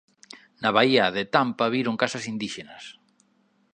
Na baía de Tampa viron casas indíxenas.